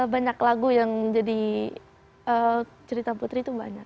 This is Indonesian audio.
banyak lagu yang jadi cerita putri itu banyak